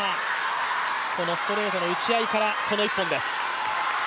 このストレートの打ち合いから、この１本です。